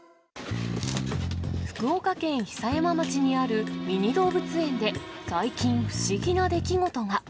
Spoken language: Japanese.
福岡県久山町にあるミニ動物園で最近、不思議な出来事が。